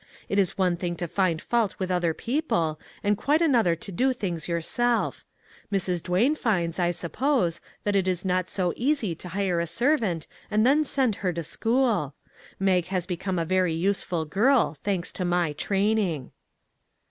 It is one thing to find fault with other peo ple, and quite another to do things yourself. Mrs. Duane finds, I suppose, that it is not so easy to hire a servant and then send her to school. Mag has become a very useful girl, thanks to my training."